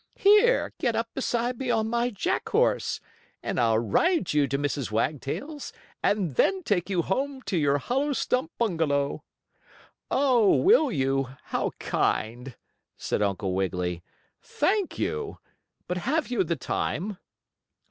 "Here, get up beside me on my Jack horse, and I'll ride you to Mrs. Wagtail's, and then take you home to your hollow stump bungalow." "Oh, will you? How kind!" said Uncle Wiggily. "Thank you! But have you the time?"